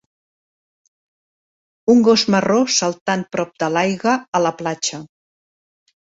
Un gos marró saltant prop de l'aigua a la platja.